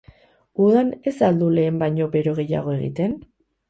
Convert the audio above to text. Udan ez al du lehen baino bero gehiago egiten?